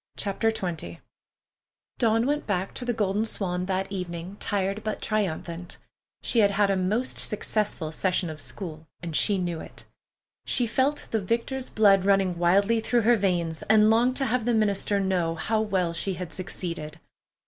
CHAPTER XX Dawn went back to the Golden Swan that evening tired but triumphant. She had had a most successful session of school, and she knew it. She felt the victor's blood running wildly through her veins, and longed to have the minister know how well she had succeeded.